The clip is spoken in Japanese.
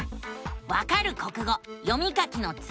「わかる国語読み書きのツボ」。